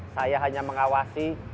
saya hanya mengawasi